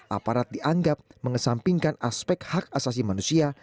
aparat dianggap mengesampingkan aspek hak asasi manusia